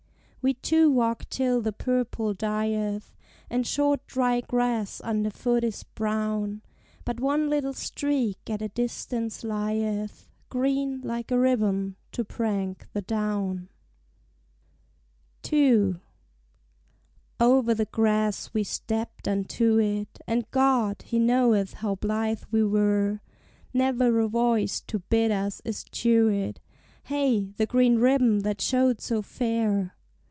We two walk till the purple dieth, And short dry grass under foot is brown, But one little streak at a distance lieth Green, like a ribbon, to prank the down. II. Over the grass we stepped unto it, And God, He knoweth how blithe we were! Never a voice to bid us eschew it; Hey the green ribbon that showed so fair!